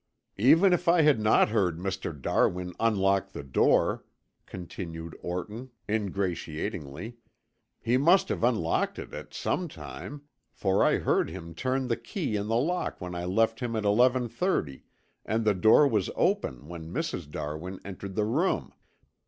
"Even if I had not heard Mr. Darwin unlock the door," continued Orton ingratiatingly, "he must have unlocked it at some time, for I heard him turn the key in the lock when I left him at eleven thirty and the door was open when Mrs. Darwin entered the room.